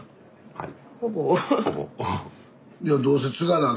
はい。